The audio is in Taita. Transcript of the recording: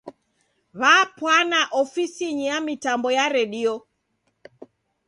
W'apwana ofisinyi ya mitambo ya redio.